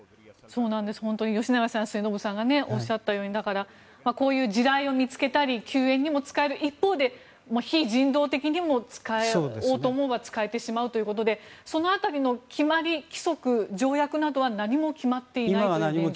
吉永さん、末延さんがおっしゃったようにこういう地雷を見つけたり救援にも使える一方で非人道的にも使おうと思えば使えてしまうということでその辺りの決まり、規則条約などは何も決まっていないということでしょうか。